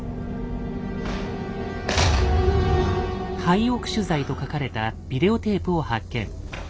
「廃屋取材」と書かれたビデオテープを発見。